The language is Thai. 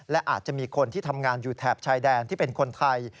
และอาจจะมีคนที่ทำงานอยู่แถบชายแดนที่เป็นคนไทย